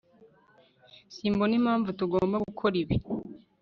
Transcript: simbona impamvu tugomba gukora ibi